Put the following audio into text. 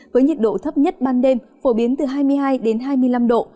với nhiệt độ thấp nhất ban đêm phổ biến từ hai mươi hai đến hai mươi năm độ